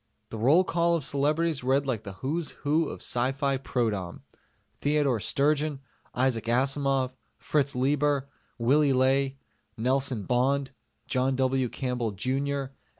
The roll call of celebrities read like the Who's Who of S.F. Prodom: Theodore Sturgeon, Isaac Asimov, Fritz Leiber, Willy Ley, Nelson Bond, John W. Campbell Jr.